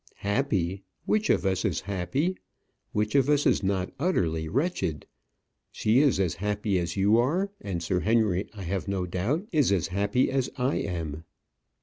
"Happy! Which of us is happy? Which of us is not utterly wretched? She is as happy as you are? and Sir Henry, I have no doubt, is as happy as I am."